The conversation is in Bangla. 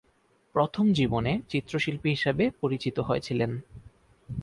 প্রথম-জীবনে চিত্রশিল্পী হিসাবে পরিচিত হয়েছিলেন।